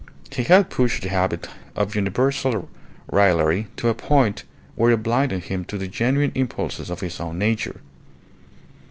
He had pushed the habit of universal raillery to a point where it blinded him to the genuine impulses of his own nature.